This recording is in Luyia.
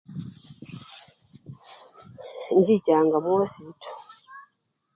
Inchichanga mukhosipito.